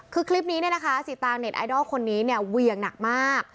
คือคลิปนี้นะคะสีตางค์เน็ตไอดอลคนนี้เวียงหนักมาก